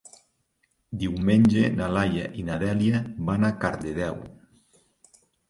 Diumenge na Laia i na Dèlia van a Cardedeu.